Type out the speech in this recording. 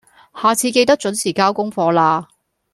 下次記得準時交功課喇